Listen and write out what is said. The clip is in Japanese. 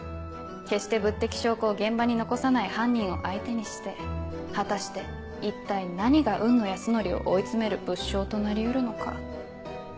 決して物的証拠を現場に残さない犯人を相手にして果たして一体何が雲野泰典を追い詰める物証となり得るのか。